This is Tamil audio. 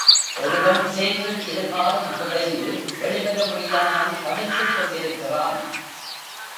ஒருவன் சேற்றில் இருகாலும் புதைந்து வெளிவர முடியாமல் தவித்துக் கொண்டிருக்கிறான்.